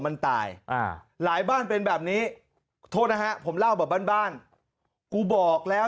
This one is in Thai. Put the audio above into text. มันตายหลายบ้านเป็นแบบนี้โทษนะฮะผมเล่าแบบบ้านบ้านกูบอกแล้ว